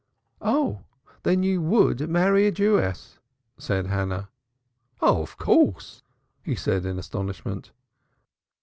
"Oh, then you would marry a Jewess!" said Hannah. "Oh, of course," he said in astonishment.